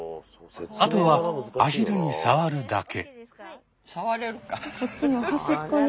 あとはアヒルに触るだけ。